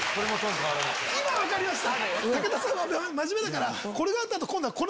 今分かりました。